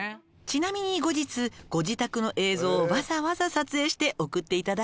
「ちなみに後日ご自宅の映像をわざわざ撮影して送っていただいたの」